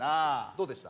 どうでした？